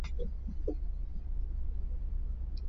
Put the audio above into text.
Hardik is very sweet.